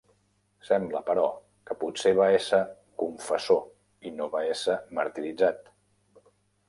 Sembla, però, que potser va ésser confessor i no va ésser martiritzat.